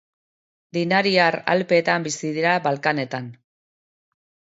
Dinariar Alpeetan bizi dira, Balkanetan.